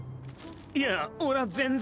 いやオレは全然。